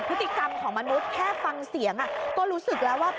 พฤติกรรมของมนุษย์แค่ฟังเสียงก็รู้สึกแล้วว่า